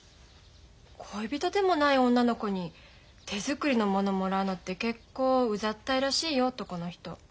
恋人でもない女の子に手作りのものもらうのって結構うざったいらしいよ男の人。